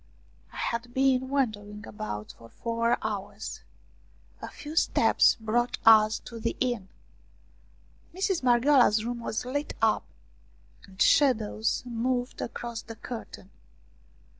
I had been wandering about for four hours. A few steps brought us to the inn. Mistress Marghioala's room was lit up and shadows moved across the curtain.